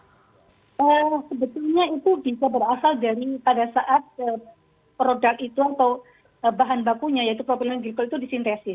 sebetulnya itu bisa berasal dari pada saat produk itu atau bahan bakunya yaitu propilen glikol itu disintesis